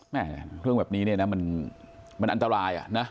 เรื่องแบบนี้เนี่ยนะมันอันตรายอ่ะนะ